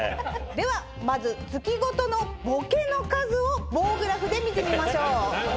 ではまず月ごとのボケの数を棒グラフで見てみましょう。